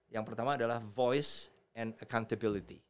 yang pertama adalah voice and accountability